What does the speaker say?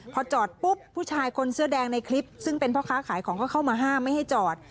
พอจอดปุ๊บผู้ชายคนเสื้อแดงในคลิปซึ่งเป็นพ่อค้าขายของก็เข้ามาห้ามไม่ให้จอด